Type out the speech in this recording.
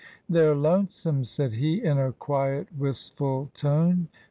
" They're lonesome," said he, in a quiet, wistful tone.